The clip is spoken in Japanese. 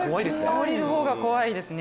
下りるほうが怖いですね。